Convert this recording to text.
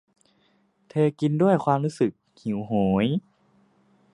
เธอกินด้วยความรู้สึกหิวโหย